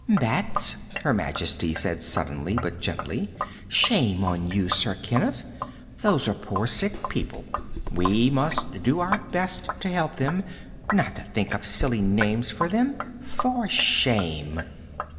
"Bats?" Her Majesty said suddenly, but gently. "Shame on you, Sir Kenneth. These are poor, sick people. We must do our best to help them not to think up silly names for them. For shame!"